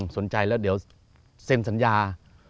สนใจแล้วเดี๋ยวเซ็นสัญญา